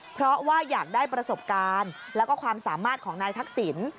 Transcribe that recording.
เพราะว่าอยากได้ประสบการณ์แล้วก็ความสามารถของนายทักษิณ